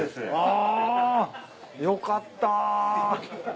あよかった。